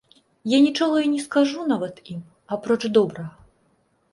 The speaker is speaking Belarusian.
Я нічога і не скажу нават ім, апроч добрага.